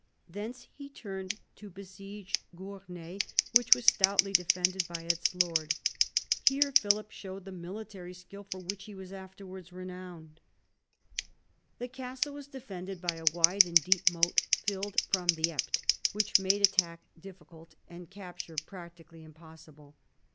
Thence he turned to besiege Gournay, which was stoutly defended by its lord. Here Philip showed the military skill for which he was afterwards renowned. The castle was 68 PHILIP AUGUSTUS chap. defended by a wide and deep moat filled from the Epte, which made attack difficult and capture practically impossible.